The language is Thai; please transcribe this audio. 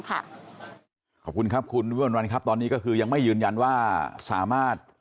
ขอบคุณครับคุณวิมวลวันครับตอนนี้ก็คือยังไม่ยืนยันว่าสามารถ